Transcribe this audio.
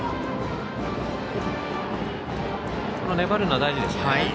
粘るのは大事ですか。